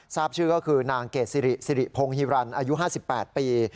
ทราบชื่อก็คือนางเกดสิริสิริพงศ์ฮิรันอายุ๕๘ปี